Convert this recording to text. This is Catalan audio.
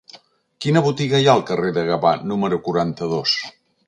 Quina botiga hi ha al carrer de Gavà número quaranta-dos?